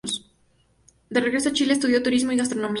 De regreso en Chile, estudió Turismo y Gastronomía.